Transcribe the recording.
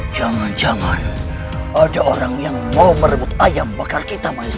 jangan jangan ada orang yang mau merebut ayam bakar kita manis